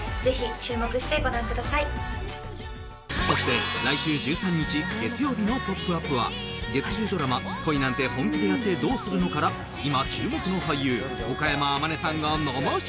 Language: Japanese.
［そして来週１３日月曜日の『ポップＵＰ！』は月１０ドラマ『恋なんて、本気でやってどうするの？』から今注目の俳優岡山天音さんが生出演］